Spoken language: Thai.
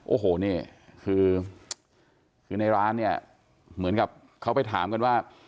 โอ้โหนี่คือคือในร้านเนี่ยเหมือนกับเขาไปถามกันว่า